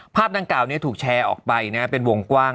ภาพดังกล่าวนี้ถูกแชร์ออกไปเป็นวงกว้าง